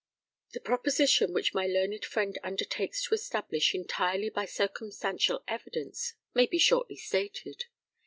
The proposition which my learned friend undertakes to establish entirely by circumstantial evidence, may be shortly stated.